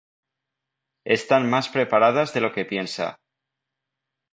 Están más preparadas de lo que piensa.